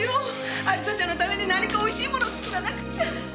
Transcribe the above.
亜里沙ちゃんのために何か美味しいものを作らなくっちゃ。